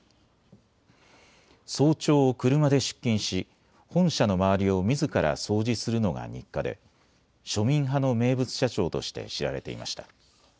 早朝、車で出勤し本社の周りをみずから掃除するのが日課で庶民派の名物社長として知られていました。